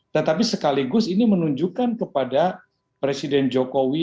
tetapi sekaligus ini menunjukkan kepada presiden jokowi